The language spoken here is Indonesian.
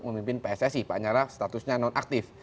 memimpin pssi pak nyarah statusnya non aktif